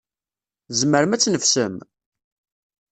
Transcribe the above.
Tzemrem ad tneffsem?